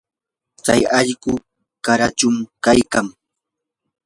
tsay allqu qarachum kaykan.